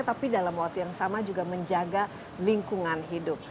tapi dalam waktu yang sama juga menjaga lingkungan hidup